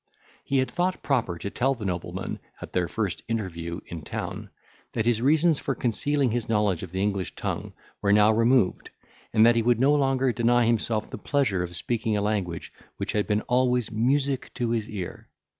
He had thought proper to tell the nobleman, at their first interview in town, that his reasons for concealing his knowledge of the English tongue were now removed, and that he would no longer deny himself the pleasure of speaking a language which had been always music to his ear.